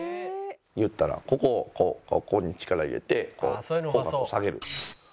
言うたらここをこうここに力を入れてこう口角を下げる。